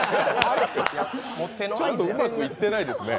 ちょっとうまくいってないですね。